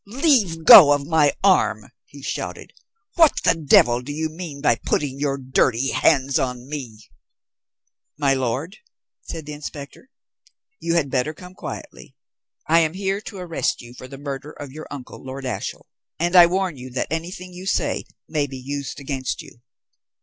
"Leave go of my arm," he shouted. "What the devil do you mean by putting your dirty hands on me?" "My lord," said the inspector, "you had better come quietly. I am here to arrest you for the murder of your uncle, Lord Ashiel, and I warn you that anything you say may be used against you."